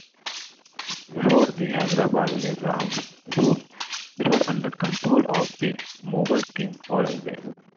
Before the Hyderabad Nizam's rule, it was under control of the Mughal King Aurangzeb.